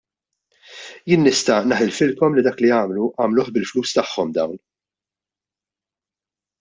Jien nista' naħilfilkom li dak li għamlu għamluh bil-flus tagħhom dawn.